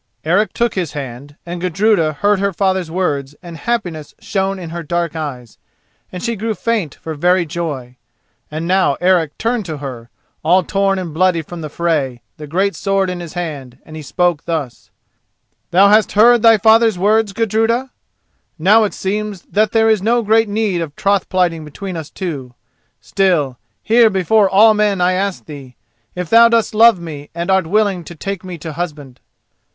Eric took his hand, and Gudruda heard her father's words and happiness shone in her dark eyes, and she grew faint for very joy. And now Eric turned to her, all torn and bloody from the fray, the great sword in his hand, and he spoke thus: "Thou hast heard thy father's words, Gudruda? Now it seems that there is no great need of troth plighting between us two. Still, here before all men I ask thee, if thou dost love me and art willing to take me to husband?"